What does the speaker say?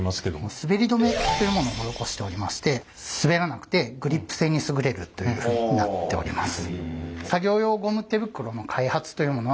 すべり止めというものを施しておりまして滑らなくてグリップ性に優れるというふうになっております。